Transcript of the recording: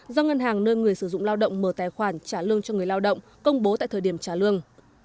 do ngân hàng nơi người sử dụng lao động mở tài khoản trả lương cho người lao động công bố tại thời điểm trả lương